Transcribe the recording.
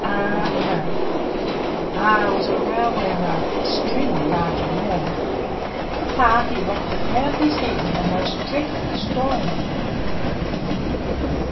R R was a Railway Rug Extremely large and warm; Papa he wrapped it round his head, In a most dreadful storm.